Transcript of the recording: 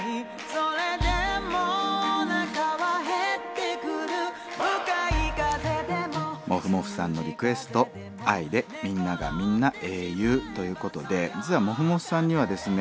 それでもお腹はへってくる向かい風でもモフモフさんのリクエストＡＩで「みんながみんな英雄」ということで実はモフモフさんにはですね